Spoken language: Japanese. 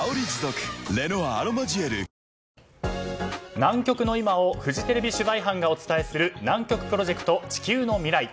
南極の今をフジテレビ取材班がお伝えする南極プロジェクト地球のミライ。